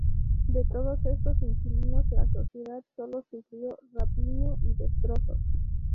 De todos estos inquilinos la sociedad sólo sufrió "rapiña y destrozos".